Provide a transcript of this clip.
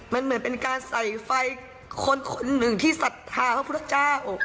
มันเหมือนเป็นการใส่ไฟคนหนึ่งที่ศรัทธาพระพุทธเจ้า